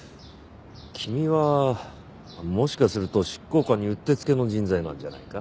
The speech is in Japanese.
君はもしかすると執行官にうってつけの人材なんじゃないか？